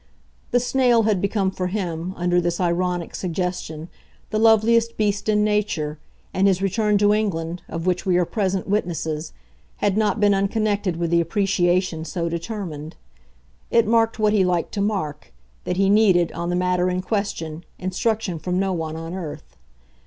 The snail had become for him, under this ironic suggestion, the loveliest beast in nature, and his return to England, of which we are present witnesses, had not been unconnected with the appreciation so determined. It marked what he liked to mark, that he needed, on the matter in question, instruction from no one on earth.